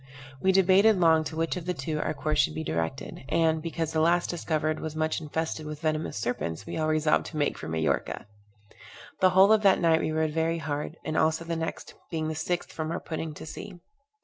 We debated long to which of the two our course should be directed; and, because the last discovered was much infested with venomous serpents, we all resolved to make for Majorca. The whole of that night we rowed very hard, and also the next, being the sixth from our putting to sea.